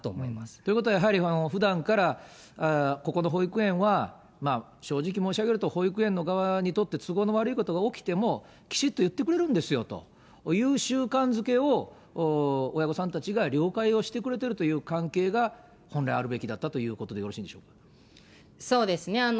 ということはやはり、ふだんから、ここの保育園は、正直申し上げると、保育園の側にとって都合の悪いことが起きてもきちっと言ってくれるんですよという習慣づけを親御さんたちが了解をしてくれているという関係が本来あるべきだったということでよろしいんでしょうそうですね。